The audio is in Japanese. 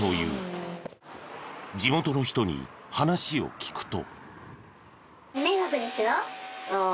地元の人に話を聞くと。